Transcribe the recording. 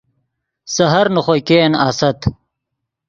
سحر نے خوئے ګئین آست